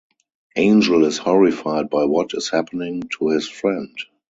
Angel is horrified by what is happening to his friend.